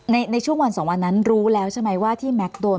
ในช่วงวันสองวันนั้นรู้แล้วใช่ไหมว่าที่แม็กซ์โดน